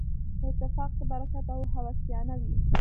په اتفاق کې برکت او هوساينه وي